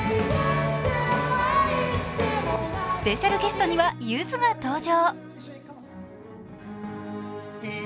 スペシャルゲストにはゆずが登場。